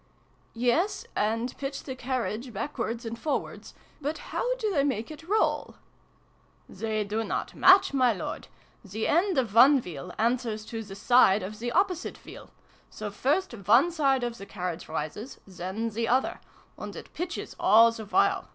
" Yes, and pitch the carriage backwards and forwards : but how do they make it roll ?"" They do not match, my Lord. The end of one wheel answers to the side of the opposite wheel. So first one side of the carriage rises, then the other. And it pitches all the while.